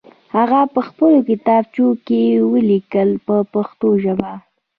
هغه په خپلو کتابچو کې ولیکئ په پښتو ژبه.